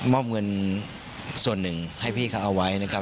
มอบเงินส่วนหนึ่งให้พี่เขาเอาไว้นะครับ